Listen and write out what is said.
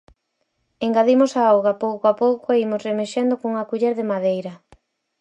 Engadimos a auga pouco a pouco e imos remexendo cunha culler de madeira.